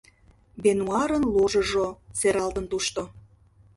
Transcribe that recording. "Бенуарын ложыжо" - сералтын тушто.